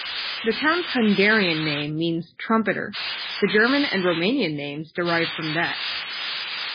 The town's Hungarian name means "Trumpeter"; the German and Romanian names derive from that.